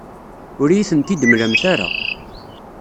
Ur iyi-tent-id-temlamt ara.